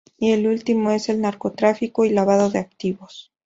Y el último es el narcotráfico y lavado de activos.